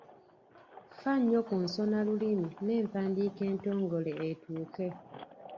Fa nnyo ku nsonalulimi n’empandiika entongole etuuke